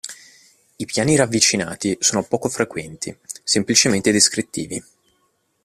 I piani ravvicinati sono poco frequenti, semplicemente descrittivi.